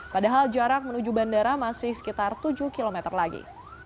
padahal jarak menuju bandara masih sekitar tujuh km lagi